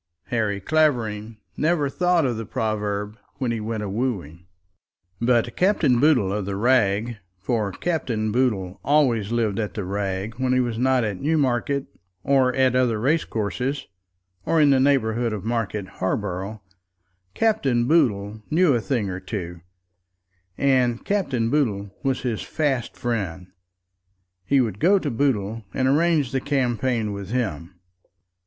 Harry Clavering never thought of the proverb when he went a wooing. But Captain Boodle of the Rag, for Captain Boodle always lived at the Rag when he was not at Newmarket, or at other racecourses, or in the neighbourhood of Market Harborough, Captain Boodle knew a thing or two, and Captain Boodle was his fast friend. He would go to Boodle and arrange the campaign with him.